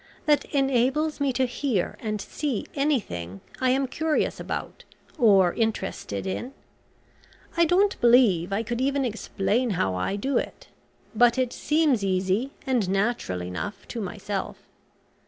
that enables me to hear and see anything I am curious about, or interested in. I don't believe I could even explain how I do it; but it seems easy and natural enough to myself.